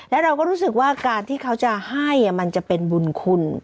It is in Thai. แล้วเราก็รู้สึกว่าการที่เขาจะให้มันจะเป็นบุญคุณ